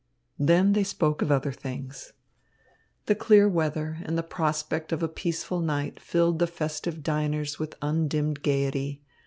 Then they spoke of other things. The clear weather and the prospect of a peaceful night filled the festive diners with undimmed gaiety.